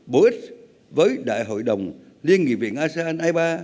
bổ ích với đại hội đồng liên nghị viện asean i ba